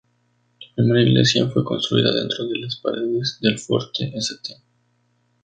La primera iglesia fue construida dentro de las paredes del fuerte St.